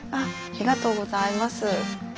ありがとうございます。